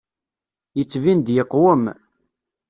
Yettbin-d yeqwem.